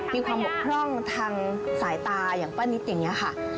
มีความบกพร่องทางสายตาอย่างป้านิตอย่างนี้ค่ะ